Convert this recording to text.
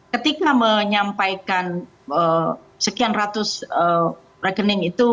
ketika menyampaikan sekian ratus rekening itu